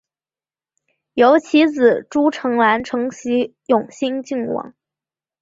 由其子朱诚澜承袭永兴郡王。